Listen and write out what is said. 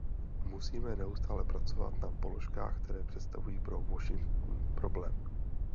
Musíme neustále pracovat na položkách, které představují pro Washington problém.